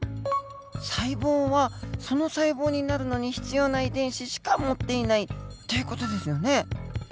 細胞はその細胞になるのに必要な遺伝子しか持っていないという事ですよね。